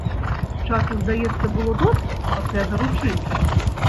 Часу, здаецца, было досыць пасля заручын?